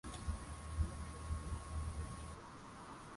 atia uchaguzi mkuu uliofanywa kwa mara ya kwanza tangu miongo miwili